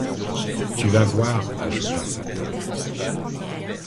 Tu vas voir, ajouta Satin.